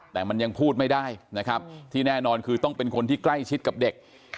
แต่มันยังพูดไม่ได้นะครับที่แน่นอนคือต้องเป็นคนที่ใกล้ชิดกับเด็ก